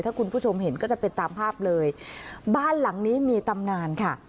ถ้าคุณผู้ชมเห็นก็จะเป็นตามภาพเลยบ้านหลังนี้มีตำนานค่ะ